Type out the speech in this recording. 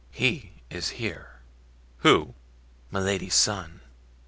"He is here." "Who?" "Milady's son."